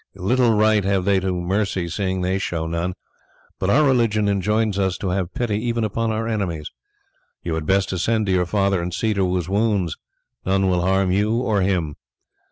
Little right have they to mercy seeing they show none; but our religion enjoins us to have pity even upon our enemies. You had best ascend to your father and see to his wounds, none will harm you or him."